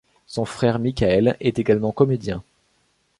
Son frère Michael, est également comédien.